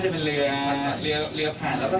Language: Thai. จะถึงแล้วเนี่ยจะช่วยช่วยได้นะ